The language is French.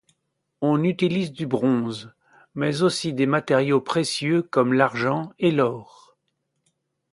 On utilise du bronze, mais aussi des matériaux précieux, comme l'argent et l'or.